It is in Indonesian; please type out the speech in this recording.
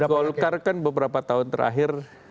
golkar kan beberapa tahun terakhir